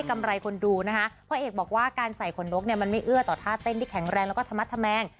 กำไรคนดูนะคะพ่อเอกบอกว่าการใส่ขนนกเนี่ยมันไม่เอื้อต่อท่าเต้นที่แข็งแรงแล้วก็ธรรมธแมง